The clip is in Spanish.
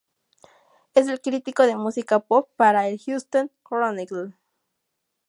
Es el crítico de música pop para el "Houston Chronicle".